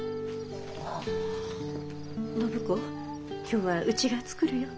今日はうちが作るよ。